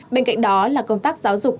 bên cạnh đó là công tác giáo dục